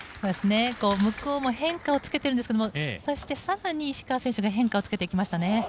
向こうも変化をつけてるんですけどそして、更に石川選手が変化をつけていきましたね。